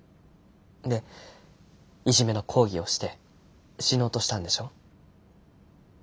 でいじめの抗議をして死のうとしたんでしょ。